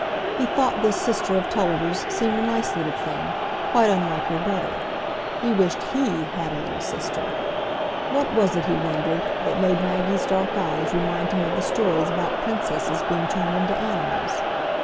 He thought this sister of Tulliver's seemed a nice little thing, quite unlike her brother; he wished he had a little sister. What was it, he wondered, that made Maggie's dark eyes remind him of the stories about princesses being turned into animals?